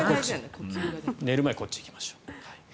寝る前はこっち、行きましょう。